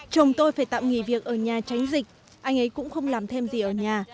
chồng tôi phải tạm nghỉ việc ở nhà tránh dịch anh ấy cũng không làm thêm gì ở nhà